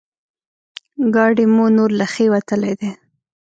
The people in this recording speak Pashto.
ګاډی مو نور له ښې وتلی دی.